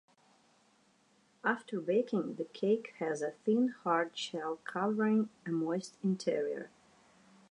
After baking, the cake has a thin hard shell covering a moist interior.